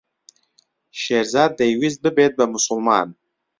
شێرزاد دەیویست ببێت بە موسڵمان.